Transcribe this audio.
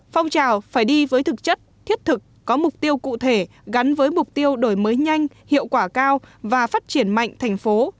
phong trào phải đi với thực chất thiết thực có mục tiêu cụ thể gắn với mục tiêu đổi mới nhanh hiệu quả cao và phát triển mạnh thành phố